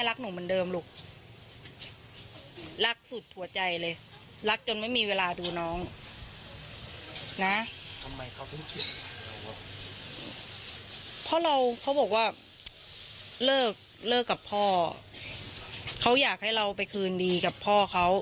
เลิกกับพ่อเขาอยากให้เราไปคืนดีกับพ่อเขา